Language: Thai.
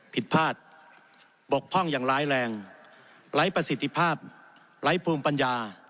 ผิดพลาดบกพร่องอย่างร้ายแรงไร้ประสิทธิภาพไร้ภูมิปัญญา